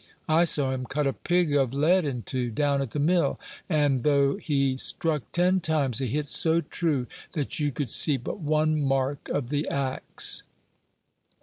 I saw him cut a pig of lead in two, down at the mill; and though he struck ten times, he hit so true that you could see but one mark of the axe."